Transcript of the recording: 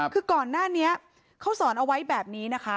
คือก่อนหน้านี้เขาสอนเอาไว้แบบนี้นะคะ